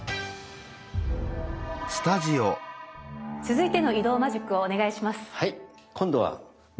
続いての移動マジックをお願いします。